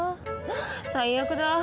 最悪だ。